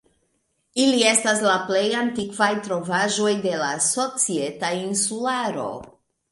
Ili estas la plej antikvaj trovaĵoj de la Societa Insularo.